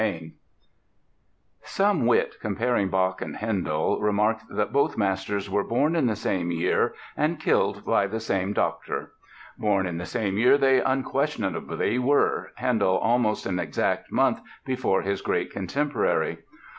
PEYSER Some wit, comparing Bach and Handel, remarked that both masters were "born in the same year and killed by the same doctor." Born in the same year they unquestionably were, Handel almost an exact month before his great contemporary.